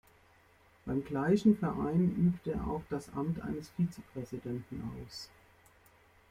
Beim gleichen Verein übt er auch das Amt eines Vize-Präsidenten aus.